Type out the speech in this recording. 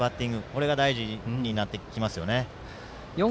これが大事になってきますね。